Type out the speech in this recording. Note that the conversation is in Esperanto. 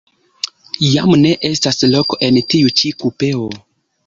Jam ne estas loko en tiu ĉi kupeo.